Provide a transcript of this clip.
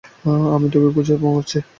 আমি তোকে খুঁজে মরছি!